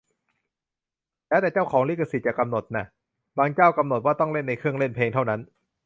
แล้วแต่เจ้าของลิขสิทธิ์จะกำหนดน่ะ - บางเจ้ากำหนดว่าต้องเล่นในเครื่องเล่นเพลงเท่านั้น